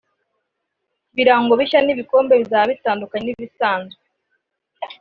ibirango bishya n'ibikombe bizaba bitandukanye n'ibisanzwe"